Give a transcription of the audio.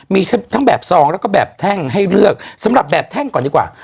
มีทั้งแบบซองแล้วก็แบบแท่งให้เลือกสำหรับแบบแท่งก่อนดีกว่า